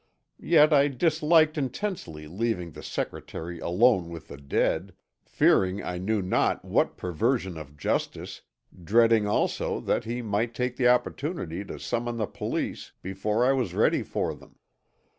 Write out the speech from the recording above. Yet I disliked intensely leaving the secretary alone with the dead, fearing I knew not what perversion of justice, dreading also that he might take the opportunity to summon the police before I was ready for them.